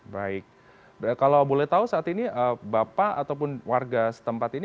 baik kalau boleh tahu saat ini bapak ataupun warga setempat ini